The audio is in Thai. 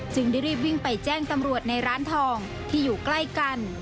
ได้รีบวิ่งไปแจ้งตำรวจในร้านทองที่อยู่ใกล้กัน